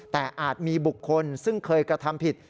แต่อาจมีบุคคลซึ่งเคยกระทำผิด